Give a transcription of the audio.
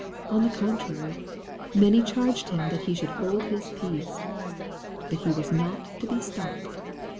On the contrary, " many charged him that he should hold his peace." But he was not to be stopped.